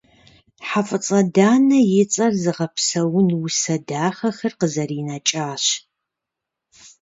ХьэфӀыцӀэ Данэ и цӀэр зыгъэпсэун усэ дахэхэр къызэринэкӏащ.